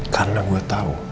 karena gue tau